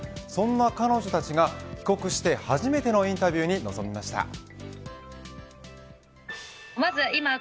そんな彼女たちが帰国して初めてのインタビューに臨みました。